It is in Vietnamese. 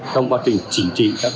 trong quá trình chỉnh trị các dòng thông